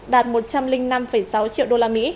đạt một trăm linh năm sáu triệu usd